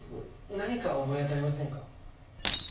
何か思い当たりませんか？